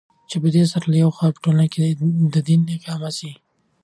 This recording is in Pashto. چې پدي سره له يوې خوا په ټولنه كې دين اقامه سي